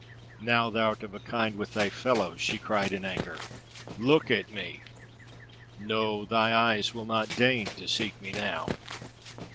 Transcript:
"Now thou'rt of a kind with thy fellows!" she cried in anger. "Look at me! No, thy eyes will not deign to seek me now!"